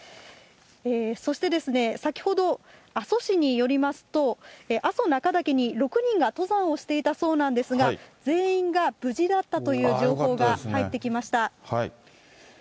そして先ほど、阿蘇市によりますと、阿蘇中岳に６人が登山をしていたそうなんですが、全員が無事だったという情報が入ってきました。